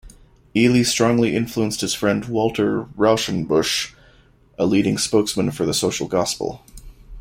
Ely strongly influenced his friend Walter Rauschenbusch, a leading spokesman for the Social Gospel.